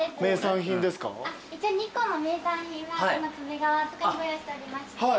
一応日光の名産品は壁側とかにご用意しておりまして。